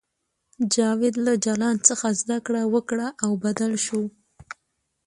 جاوید له جلان څخه زده کړه وکړه او بدل شو